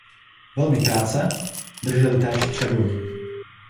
Velmi krátce drželi též Třeboň.